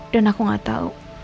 dan aku gak tau